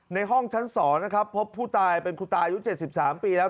ในห้องชั้น๒นะครับพบผู้ตายเป็นคุณตายุ๗๓ปีแล้ว